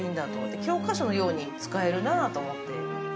教科書のように使えるなって。